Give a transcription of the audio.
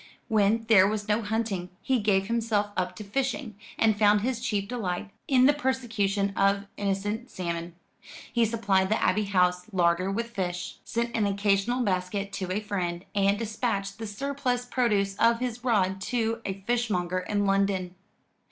When there was no hunting, he gave himself up to fishing, and found his chief delight in the persecution of innocent salmon. He supplied the Abbey House larder with fish, sent an occasional basket to a friend, and dispatched the surplus produce of his rod to a fishmonger in London.